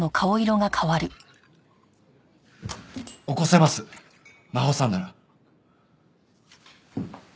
起こせますマホさんなら。